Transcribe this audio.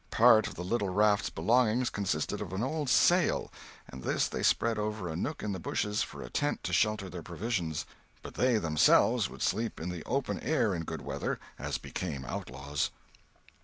Part of the little raft's belongings consisted of an old sail, and this they spread over a nook in the bushes for a tent to shelter their provisions; but they themselves would sleep in the open air in good weather, as became outlaws.